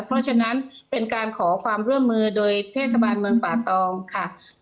เพราะฉะนั้นเป็นการขอความร่วมมือโดยเทศบาลเมืองป่าตองค่ะ